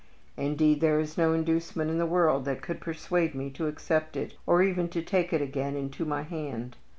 Indeed, there is no inducement in the world that could persuade me to accept it, or even to take it again into my hand.